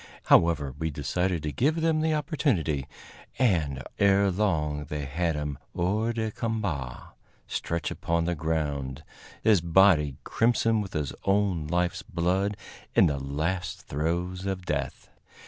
However, we decided to give them the opportunity, and ere long they had him hors de combat, stretched upon the ground, his body crimson with his own life's blood, in the last throes of death.